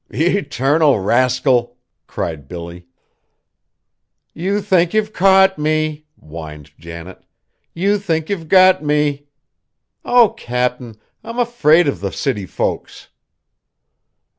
"Ye 'tarnal rascal!" cried Billy. "You think you've caught me!" whined Janet, "you think you've got me! Oh! Cap'n, I'm afraid of the city folks!"